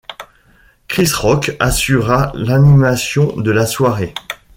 Chris Rock assura l'animation de la soirée.